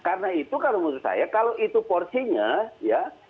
karena itu kalau menurut saya kalau itu porsinya ya